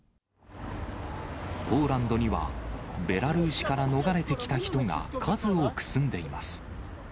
ポーランドには、ベラルーシから逃れてきた人が数多く住んでいます。